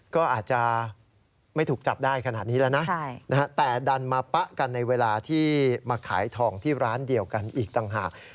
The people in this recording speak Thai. ก็อาจจะไม่ถูกจับได้ขนาดนี้แล้วนะแต่ดันมาปะกันในเวลาที่มาขายทองที่ร้านเดียวกันอีกต่างหาก